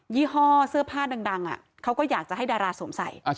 ี่ห้อเสื้อผ้าดังเขาก็อยากจะให้ดาราสวมใส่